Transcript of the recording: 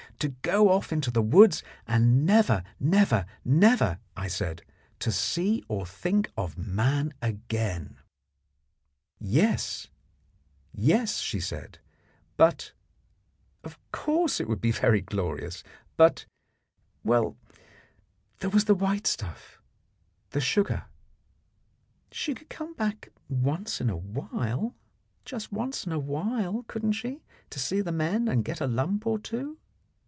To go off into the woods, and never, never, never, I said, see or think of man again. Yes yes, she said, but Of course it would be very glorious, but Well, there was the white stuff the sugar she could come back once in a while just once in a while couldn't she, to see the man and get a lump or two?